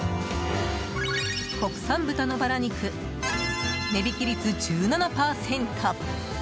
国産豚のバラ肉値引き率１７％。